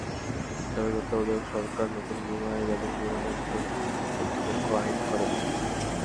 সাবেক তত্ত্বাবধায়ক সরকার নতুন বিমা আইন এবং বিমা নিয়ন্ত্রণ কর্তৃপক্ষ আইন করে।